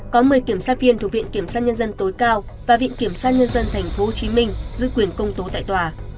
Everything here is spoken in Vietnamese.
có một mươi kiểm soát viên thuộc viện kiểm soát nhân dân tối cao và viện kiểm soát nhân dân tp hcm giữ quyền công tố tại tòa